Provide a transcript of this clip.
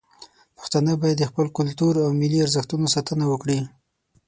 پښتانه باید د خپل کلتور او ملي ارزښتونو ساتنه وکړي.